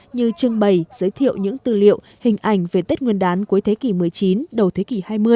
như trưng bày giới thiệu những tư liệu hình ảnh về tết nguyên đán cuối thế kỷ một mươi chín đầu thế kỷ hai mươi